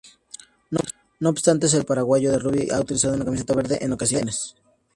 No obstante, el seleccionado paraguayo de rugby ha utilizado una camiseta verde, en ocasiones.